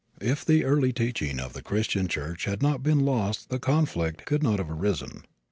If the early teaching of the Christian Church had not been lost the conflict could not have arisen.